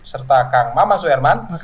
serta kang maman soe herman